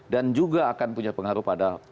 dan juga akan punya pengaruh pada